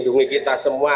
dia melindungi kita semua